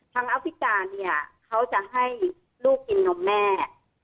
อัฟริกาเนี่ยเขาจะให้ลูกกินนมแม่